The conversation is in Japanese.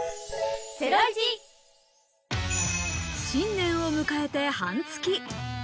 新年を迎えて半月。